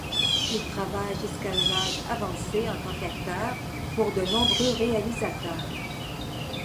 Il travaille jusqu'à un âge avancé en tant qu'acteur pour de nombreux réalisateurs.